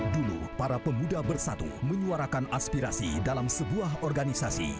dulu para pemuda bersatu menyuarakan aspirasi dalam sebuah organisasi